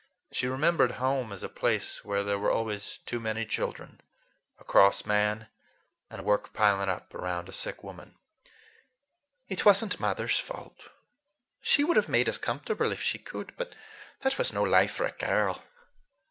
She remembered home as a place where there were always too many children, a cross man, and work piling up around a sick woman. "It was n't mother's fault. She would have made us comfortable if she could. But that was no life for a girl!